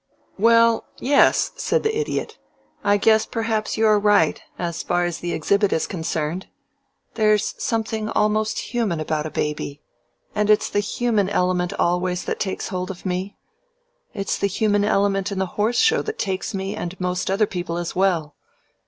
"Well yes," said the Idiot, "I guess perhaps you are right, as far as the exhibit is concerned. There's something almost human about a baby, and it's the human element always that takes hold of me. It's the human element in the Horse Show that takes me and most other people as well.